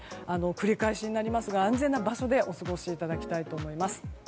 繰り返しになりますが安全な場所でお過ごしいただきたいと思います。